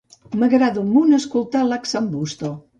M'agrada un munt escoltar Lax'n'Busto.